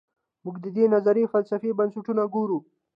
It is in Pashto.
موږ د دې نظریې فلسفي بنسټونه ګورو.